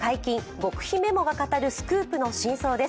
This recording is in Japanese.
極秘メモが語るスクープの真相」です。